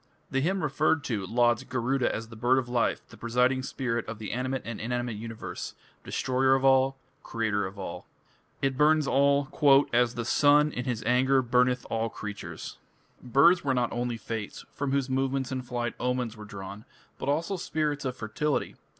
The hymn referred to lauds Garuda as "the bird of life, the presiding spirit of the animate and inanimate universe ... destroyer of all, creator of all". It burns all "as the sun in his anger burneth all creatures". Birds were not only fates, from whose movements in flight omens were drawn, but also spirits of fertility.